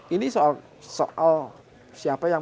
ini soal siapa yang